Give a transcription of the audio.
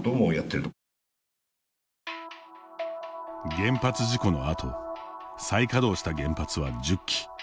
原発事故のあと再稼働した原発は１０基。